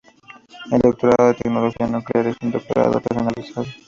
El Doctorado en Tecnología Nuclear es un doctorado personalizado.